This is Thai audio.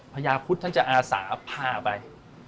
พระยาคุฑท่านจะอาสาภาไป